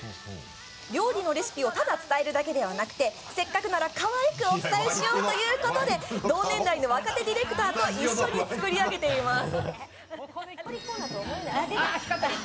料理のレシピをただ伝えるだけではなくてせっかくならかわいくお伝えしようということで同年代の若手ディレクターと一緒に作り上げています。